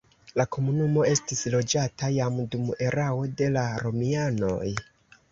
La komunumo estis loĝata jam dum erao de la romianoj.